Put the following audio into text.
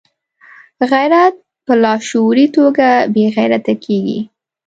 غیرت په لاشعوري توګه بې غیرته کېږي.